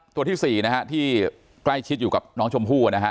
ตัวที่๔นะฮะที่ใกล้ชิดอยู่กับน้องชมพู่นะฮะ